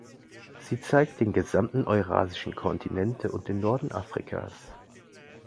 Sie zeigt den gesamten eurasischen Kontinent und den Norden Afrikas.